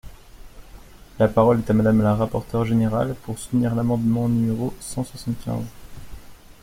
La parole est à Madame la rapporteure générale, pour soutenir l’amendement numéro cent soixante-quinze.